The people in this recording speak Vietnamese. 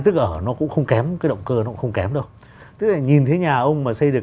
tức ở nó cũng không kém cái động cơ nó cũng không kém đâu tức là nhìn thấy nhà ông mà xây được